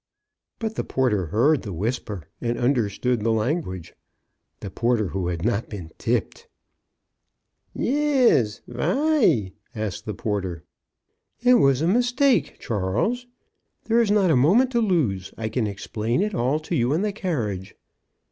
But the porter heard the whisper, and under stood the language — the porter who had not been "tipped." "Ye'es — vy?" asked the por ter. MRS. BROWN DOES ESCAPE. 5 1 '*It was a mistake, Charles; there is not a moment to lose. I can explain it all to you in the carriage."